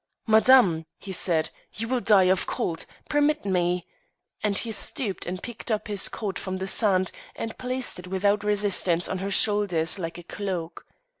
"Madame," he said, "you will die of cold: permit me," and he stooped and picked up his coat from the sand and placed it without resistance on her shoulders, like a cloak.